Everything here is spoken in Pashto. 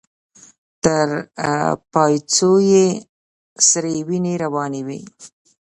تر پايڅو يې سرې وينې روانې وې.